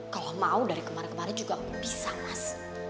kalau mau dari kemana kemana juga aku bisa mas